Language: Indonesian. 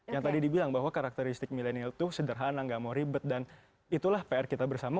yang tadi dibilang bahwa karakteristik milenial itu sederhana nggak mau ribet dan itulah pr kita bersama